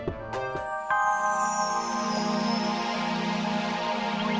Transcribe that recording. ojang mau nganter pak sofyan dulu